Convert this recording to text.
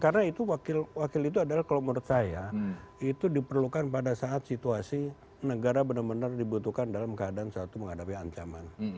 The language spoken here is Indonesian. karena wakil itu adalah kalau menurut saya itu diperlukan pada saat situasi negara benar benar dibutuhkan dalam keadaan suatu menghadapi ancaman